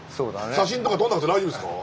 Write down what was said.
写真とか撮んなくて大丈夫ですか？